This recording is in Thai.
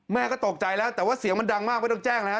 แม่ก็ตกใจแล้วแต่ว่าเสียงมันดังมากไม่ต้องแจ้งนะฮะ